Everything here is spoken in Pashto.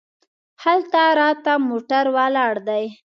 هلته راته موټر ولاړ دی.